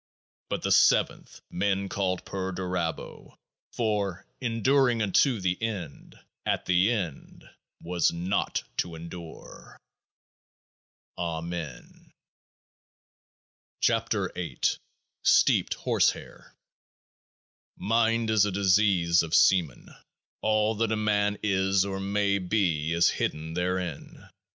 But the Seventh men called PERDURABO ; for enduring unto The End, at The End was Naught to endure. 8 Amen. 15 KEOAAH H STEEPED HORSEHAIR Mind is a disease of semen. All that a man is or may be is hidden therein.